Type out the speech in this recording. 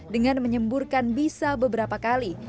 dengan menyemburkan bisa beberapa kali